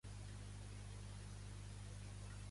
Ni vull ni puc autoritzar aquest referèndum.